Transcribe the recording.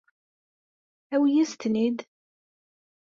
Awi-as-ten-id.